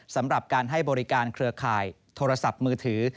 สำหรับการให้บริการเครือข่ายโทรศัพท์มือถือ